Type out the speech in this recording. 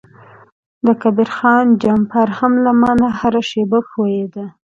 د کبیر خان جمپر هم له ما نه هره شیبه ښویده.